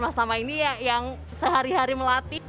mas lama ini yang sehari hari melatih